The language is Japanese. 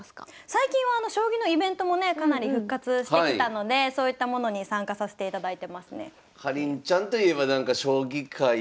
最近は将棋のイベントもねかなり復活してきたのでそういったものに参加させていただいてますね。